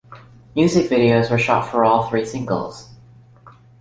Music videos were shot for all three singles.